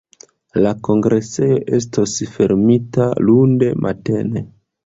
La kongresejo estos fermita lunde matene.